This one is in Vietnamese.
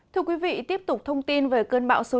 thưa quý vị tiếp tục thông tin về cơn bão số chín